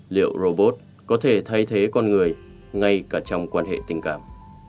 liệu robot có thể thay thế con người ngay cả trong quan hệ tình cảm